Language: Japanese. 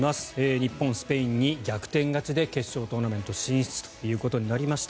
日本、スペインに逆転勝ちで決勝トーナメント進出となりました。